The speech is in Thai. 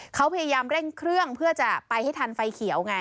เขาพยายามเร่งเครื่องเพื่อจะไปให้ทันไฟเขียวไง